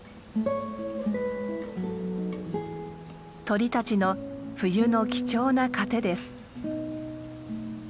鳥たちの冬の貴重な糧です。